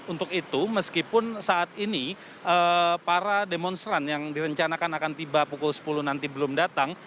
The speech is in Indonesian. untuk itu meskipun saat ini para demonstran yang direncanakan akan tiba pukul sepuluh nanti belum datang